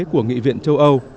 của nghị viện châu âu